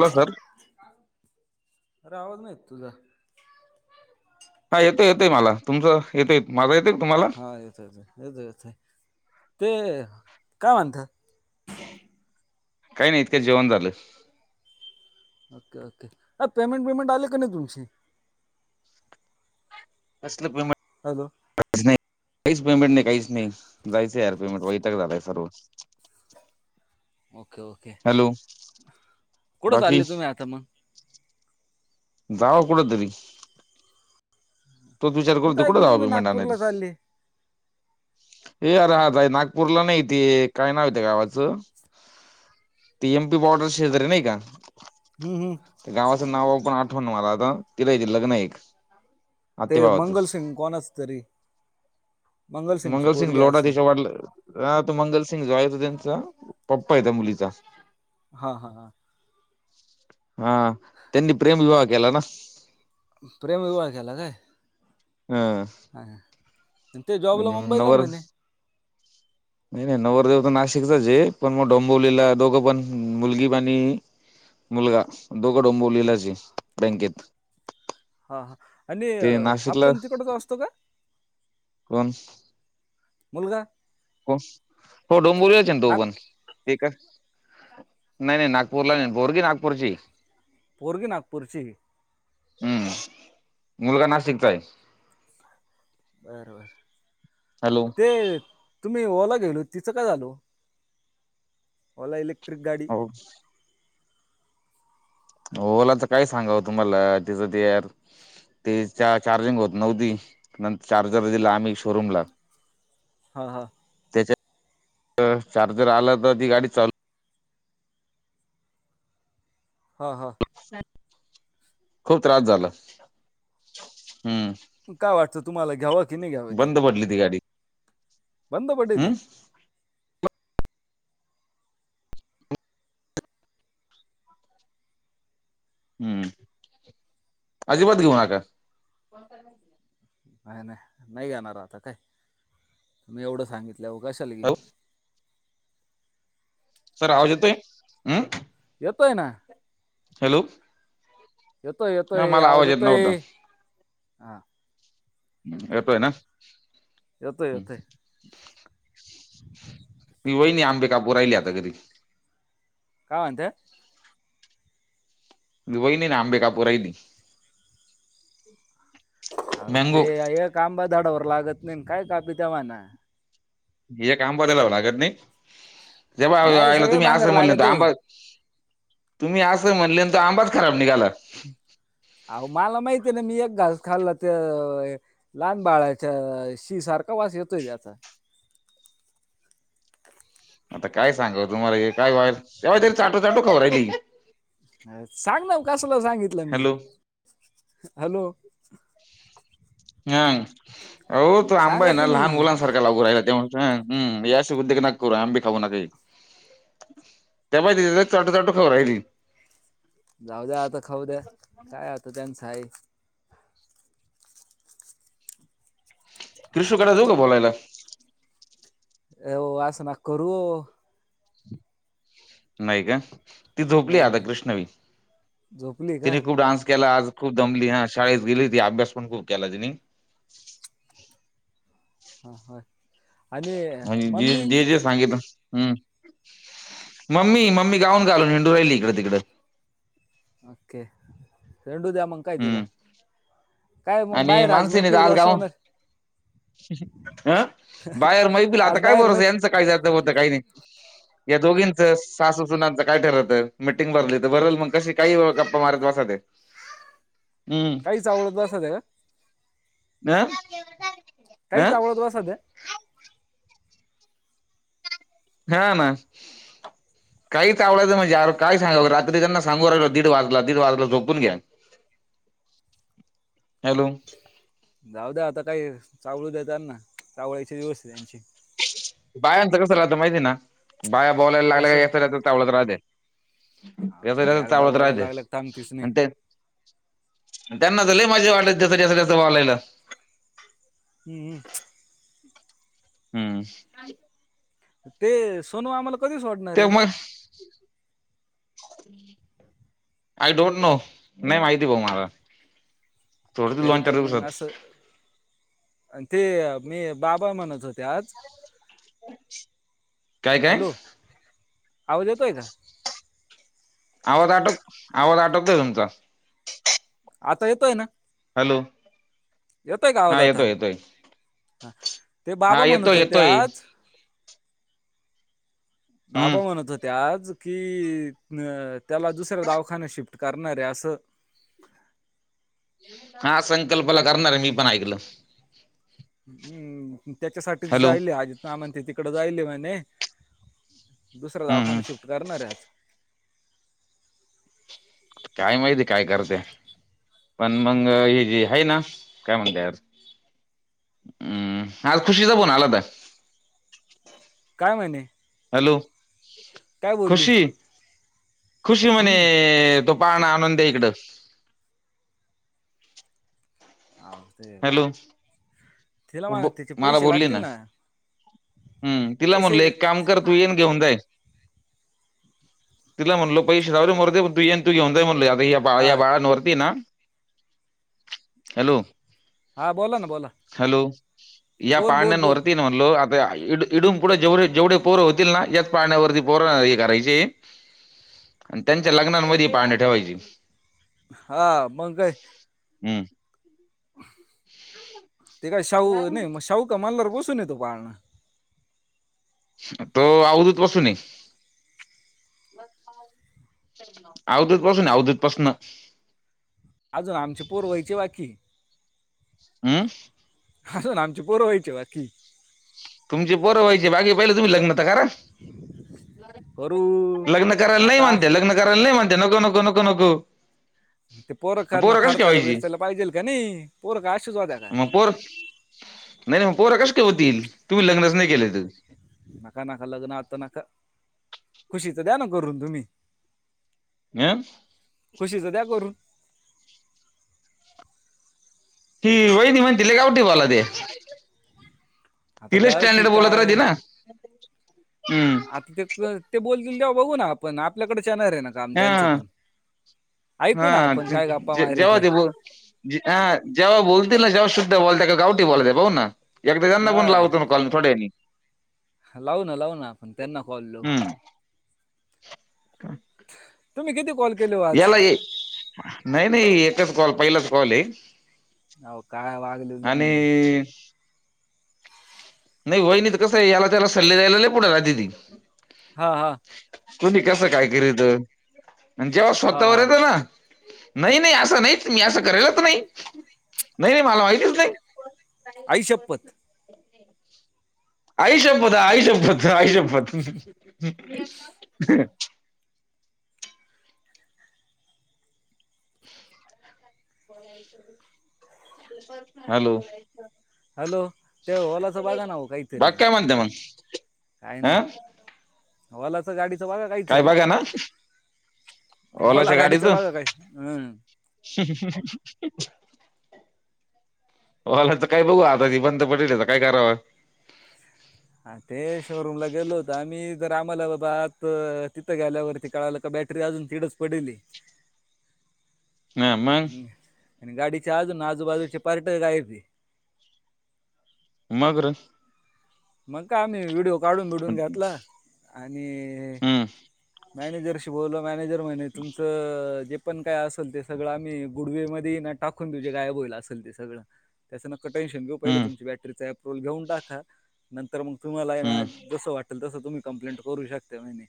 Hello sir अरे आवाज नाहीत तुझा हा येतो येतेय मला तुमचं येतंय माझ येते तुम्हाला हा येत य येत येत ते काय म्हनता काही नाही इतक्या जेवण झालं? ओके ओके नाही पेमेंट बिमेंट आले का नाही तुमची अससलं हॅलो काहीच पेमेंट नाही काहीच नाही जायचं यार पेमेंट वैतक झालंय सर्व ओके ओके हॅलो कुठं बाकी चालले तुम्ही आता मग जावा कुडतरी मी करतो कुठं ऐकल जावा तुम्ही पेमेंट नागपूरला आणायला चालले. हे अरे हता नागपूरला नाही ते काय नाव येत गावाचं ती एमपी बॉर्डर शेजरी नाही का? हम् हम् गावाचं नाव पण आठवण मला आता तिलाहि लग्न एक ते आत्या भावाचं मंगलसिंग कोणच तरी मंगलसिंगची मंगलसिंग पोरगी आहे लोटा असं त्याचा वाटलं ह तो मंगलसिंग जो आहेेत त्यांचा पप्पा येत मुलीचा हा हा हा हा त्यांनी प्रेमविवाह केला ना, प्रेमविवाहं केला काय, हा ह ते जॉबला मुंबईला नवर म्हणे नाही नाही नवरदेव तर नाशिकचच आहे पण मग डोंबोवलीला दोघं पण मुलगी आणी मुलगा दोघे डोंबवलीलाची बँकेत हा हा आणि ते हा नाशिकला आपण तिकडचा असतो का? कोण? मुलगा हो हो डोंबिवलीचा तो नाग पण ते का नाही नाही नागपूरला नाही पोरगी नागपूरची पोरगी नागपूरची हम्म मुलगा नाशिकचा ये हॅलो बरबर ते तुम्ही ओला गेलो तिचं काय झालो. ला इलेक्ट्रिक गाडी हो ओला तर काय सांगाव तुम्हाला तिचं यार. ते चार्जिंग होत नव्हती नंतर चार्जर दिला आम्ही शोरूमला हा हा त्याच्या चार्जर आला तर ती गाडी चालू हा हा खूप त्रास झाला हम्म काय वाटतं तुम्हाला घ्यावं की नाही घ्यावं बंद पडली ती गाडी बंद पडली हम्म हम्म अजिबात घेऊ नका कोणत नाही नाही नाही नाही जाणार आता काय तुम्ही एवढं सांगितलं हो कशाला की हॅलो सर आवजेतोय हम्म येतोय ना हॅलो येतोय हा येतोय मला आव आवाज येत नव्हता जतोय हा याेतो आहे ना येतो येतो ती वही आंबे कापू राहिली आता घरी काय म्हणते व नाही ना आंबे कापूर आहेय नाही हो मँगो ते एक आंबा झाडावर लागत नाही काय कापी तेव्हाना हे आंबरायला लावलागत नाही जे्हा नाही आला सगळे तुम्ही आ बांगर लागत म्ह आहे आंबा तुम्ही असं म्हटले त आंबाच खराब निघाला अह मला माहिती आहे ना मी एक घास खाल्ला ते लहान बाळाच्या शी सारखा वास येतोय आचा आता काय सांगा तुम्हाला हे काय व्हायल तेव्हा तरी चाटो चाटू खबरायली सांग ना कसला सांगितलं मी हॅलो हॅलो हा हो तू आंबा सांगा आहे ना तुम्ही लहान मुलां सारखा लागू राहिला तेम या उद्येग नक करू आंबी खाऊ नका त्या पाहि चाटू चाटू खबर राहिली जाऊ द्या आता खाऊ द्या काय आत त्यांचंई कृष्क जाऊ का बलायला एव वासना करू नाही का ती झोपली नाही आता नाही कृष्णवी झोपली का तिने खूप डान्स केला आज खूप जमली हा शाळेत गेली ती अभ्यास पण खूप केला तिने हा ह म्हणजे जे जे जे सांगित हम्म मम्मी मम्मी गाऊन घालून हेंडू राहिली इकडे तिकडडे ओके रडु दमंग काय तला हम्म काय मग बाय राजमे फिल् ब असा होणार हं बाहेर मैबिल आता आज काय बाहेर बर मै यांचं काही होत काही नाही या दोघींचं सासूसनाांचं काय ठरवतं मीटिंग भरली तर बरल मग कशी काही गप्पा मारत वासाात काहीच आवडत असस त्या का ना काहीच आवडत ब साध्या हा म काहीच आवडयचं म्हणजे काय सांगा रात्री त्यांना सांगू राहि दीड वाजला दीड वाजला झोपून घ्या हॅलो जाऊ द आता काही चावळ देतात ना वळाचे दिवस त्यांची बायांचं कस राहतं माहिती ना बाया बोलायला कसं लागल्या का या त्यावडत राहते अहो, त्याच ते त्याच एकदा चावत बोलायला राहते लागलं तर थांबतीच नाही आणि ते त्यांना झालं माझी वाटत जसं जसं जसं वालायला ह हम्म ते सोनू आम्हाला कधीच वाटत ते मग आय डोंट नो नाही माहिती बऊ मला थोडंच तरी पण मग लॉंचारसत असं आणि ते मी बाबा म्हणत होते आज काय काय हॅलो आवज येतोय का आवाज आटक आवाज आटकतोय तुमचा आता येतोय ना हॅलो येतय गावात हा आता येतोय येतोय ह ते बाबा हा म्हणत येतोय होते येतोय आज हम्म बाबा म्हणत होतज की अ त्याला दुसऱ्या दावाखाना शिप करणार रे असं हा संकल्पला करणार आहे मी पण ऐकलं हम्म त्याच्यासाठीच हॅलो जायल अजित नामन ते तिकड जायले म्हणे दुसरां हम्म दावाखानना हम्म शिफ्ट करणार आहेच काय माहितीय काय करते पण मंगग हे जे आहे ना काय म्हणतेर हम्म आज खुशीचा बन आला तर काय महिने हॅलो खुशीी खुशीी म हम्म तो पण आनंद इकड ह ते हॅलो तिला माण ब- त्याचे मला पैसे बोलली लागतील ना हम्म तिला पैसे म्हणल एक काम कर तू येईन घेऊन जाई तिला म्हणलो पै शेनवरे मर तू येन तू घेऊन जाय म्हणल आता बा या हा बाळांवरती ना हॅलो हा बोला ना बोला हॅलो या बोल बोल बोल पाळण्यांवरती म्हणलो आता इडून पुढे जेवढे जेवे पोर होतील ना याच पाण्यावरती पोर हे करायचे आणि त्यांच्या लग्नामध्ये पाहणे ठेवायची हा मग काय हम्म ते काय शाहू नाही म शाहू का मलणारवर बसून येतो पाहणं तो आदच पसु न अवदत पासून अवदत पाासन अजून आची पर्वईची वाकी हम असून आम पोरवायची बाकी तुम बोर व्हाचे बाीहि तुम् लग्त क करू लग्न कयला नाही आता मानते लग्न कर नाही म तनक नक नक नक ते पोरखांना खर्चायला व्हायची विरचायला पाहिजेल का नाही पोरख अशूच होत्या का अपर नाही नाही मग पोरा कस केतील तुम्ही लग्नच नाही केलं नका नका लग्न आता नका खुशीच द्या ना करून तुम्ही म खुशीचं द्या करू ही वहिनी म्हणतीले गावटठीवाला ते आता तिला गाव स्टँडर्ड ठीक बोलत रा ति आहे ना हम्म आता ते ते बोलतील तेव बघू ना आपण आपल्याकडे चानणार आहे ना काम त्यांचं हा पण ऐकू ना आपण काय गप्पा मायरीथे ह ह जेव्हा बोलतील ना जेव्हा सुद्धा बोलते का गावठी बोलतय बा भाऊ ना एकदा जना पण हा लावतो म गल थोडे लावू ना लाव ना आपण त्यांना कॉलो हम्म हम तुम्ही किती कॉल केले आज नाही नाही एकच कॉल पहिलाच कॉल आहे अ काय वागले तुम् ते नाही वहिणी तर कसं आहे याला त्याला सल्ले दयला नाही पुढे आ दिदी हा हा तू न कस काय कररीत जेव्हा हा स्वतःवर हा येतं ना नाही नाही असं नाही मी असं करेलच नाही नाही नाही मला माहितीच नाही आई श्यपत ऐश एपत यष एपत यष एपत हॅलो हॅलो ते ओलाचं बघा ना हो बाघ काहीतरी का म्हणते म्हन हं हवालाचं गाडीचं बघा काहीच काय बघा ना ला गाडीचं बघ काय हम्म [inaudible] होला तर काय बघू आता ती बंद पडेल तर काय करावं ह ते शोरूम ला गेलो होत आम्ही जर आम्हाला बाबा आत तिथं गेल्यावरती कळाला बॅटरी अजून तीडच पडेली हा मग आणि गाडीच्या आजून ना आजूबाजूचे पार्ट काय त मगर मग का आम्ही व्हडिओ काढून बिडून हम्म घेतला आणि मॅनेजरशी बोल मॅनेजर म्हणे तुमचं जे पण काय असेल ते सगळं आ् गुडवे म टकूने गयबला असेल ते सगळ त्याचं न टेनशन घेऊ पहिलं हम्म तुम पल घेऊन टाका नंतर मग तुम्हालाना हम्म जस वाट तस तुम्ही कं्प्लेट करू शकते म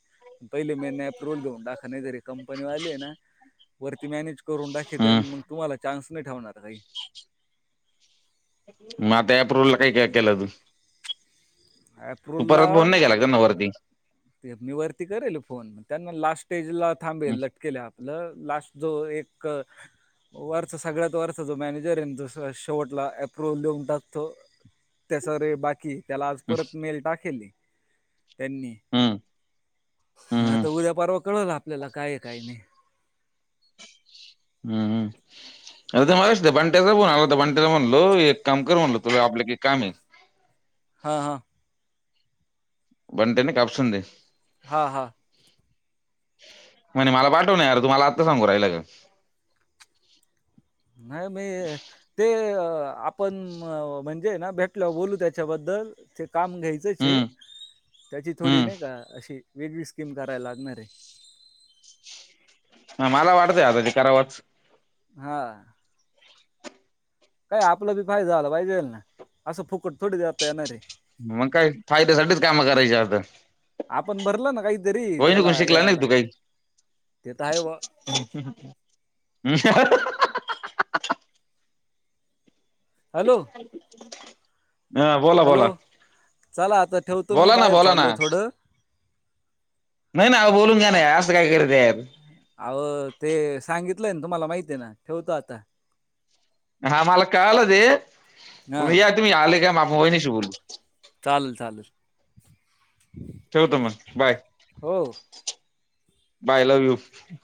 पहिले म अप्रुव्हल घेऊन टाका नाही तरी कंपनी वाले ना वरती मॅनेज करून आणि हम्म मग तुम्हाला चा्स नाही ठेवणार काही मग आ अप्रुवलला काही काय केलं तू तू परत फोन प्र्रोललाम नाही केला का त्यांना वरती ते मी वरती करेल फोन त्यांना लास्ट स्टेज ला हम्म थांबेल लटकेल्या लास्ट जो एक वर्थ सगळ्यात वर्थ जो मॅनेजर आहे तो शेवटला अप्रुव्हल लिऊन टाकतो त्या सवरे बाकी त्याला आज परत मेल टाखेली त्यांनी हम्म म हम्म आता उद्या परवा कळवला आपल्याला काय काय नाही हम् हम् अ ते मला बंट्याचा ब आला तर बंट्याला म्हणलो एक काम कर म्हणल तुला आपलं काही काम आहे हा हा बटेने कपचे हा हा म्हणे मला पाठव नाहीणारर तुमला आत्ता सांगू राहिला का नाही मी ते आपण म्हणजे ना भेटल बोलू त्याच्याबद्दल काम घ्यायचंच आहे हम्म त्याची थोडी नाही हम्म का अशी वेगळी स्कीम करायला लागणार आहे मला वाटतंय आता ते करावंच हा, काय आपला बी फायदा झाला पाहिजेईल ना, असं फुकट थोडी देता येणारे. मग काय फायद्यासाठीठीच कामं करायची आता, आपण भरल ना काहीतरी वहिनीकडून त्याला, शिकला नाही का याला तू काही ते तर आहे व, [unintelligible] हॅलो? हा बोला हॅलो बोला चला आता ठेवतो मी, बोला ना बाहेर बोला ना चाललोय थोडं, नाही ना बोलून घ्या ना, नाही असं काय करत यार, अहो ते सांगितलंय ना तुम्हाला माहिती आहे, ना ठेवतो आता. हा मला कळलं ते, पण हां, या तुम्ही आले काय मा वहिणीशी बोलू, चालेल, चालेल, ठेवतो मग बाय, हो. बाय [unintelligible]